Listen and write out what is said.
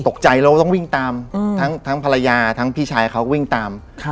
ตกใจเราต้องวิ่งตามทั้งภรรยาทั้งพี่ชายเขาก็วิ่งตาม